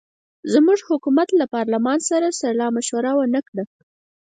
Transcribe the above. زموږ حکومت له پارلمان سره سلامشوره ونه کړه.